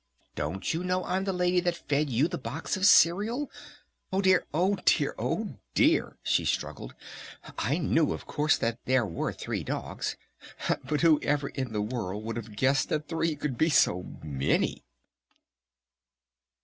Don't you know I'm the lady that fed you the box of cereal? Oh dear Oh dear Oh dear," she struggled. "I knew, of course, that there were three dogs but who ever in the world would have guessed that three could be so many?"